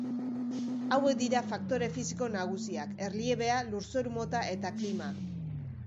Hauek dira faktore fisiko nagusiak: Erliebea, lurzoru mota eta klima.